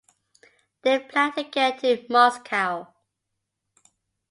They plan to get to Moscow.